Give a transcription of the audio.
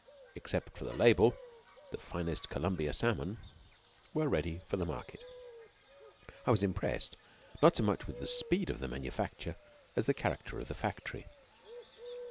Except for the label, the "Finest Columbia Salmon" was ready for the market. I was impressed not so much with the speed of the manufacture as the character of the factory.